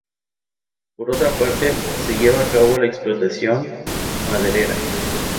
Por otra parte, se lleva a cabo la explotación maderera.